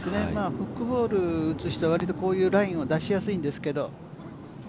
フックボールを打つ人は割とこういうラインを出しやすいんですけども。